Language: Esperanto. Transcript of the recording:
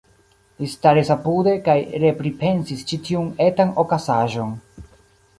Li staris apude, kaj repripensis ĉi tiun etan okazaĵon.